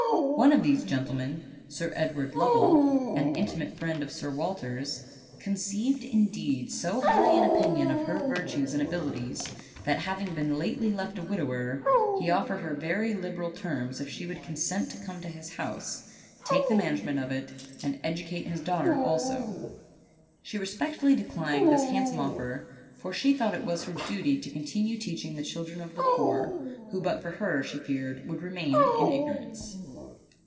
One of these gentlemen, Sir Edward Lovell, an inti mate friend of Sir Walter's, conceived, indeed, so high an opinion of her virtues and abilities that, having been lately left a widower, he offered her very liberal terms if she would consent to come to his house, take the man agement of it, and educate his daughter also. She re spectfully declined this handsome offer, for she thought it was her duty to continue teaching the children of the poor, who but for her, she feared, would remain in igno rance.